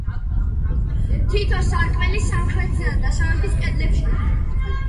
თითო სარკმელი სამხრეთისა და დასავლეთის კედლებშია.